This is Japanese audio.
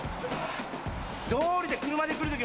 どうりで車で来るとき